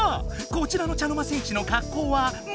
こちらの茶の間戦士のかっこうはもしかして？